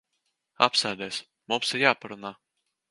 Apsēdies. Mums ir jāparunā.